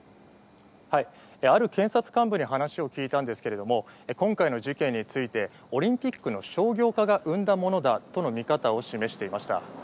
ある検察幹部に話を聞いたんですけど今回の事件についてオリンピックの商業化が生んだものだとの見方を示していました。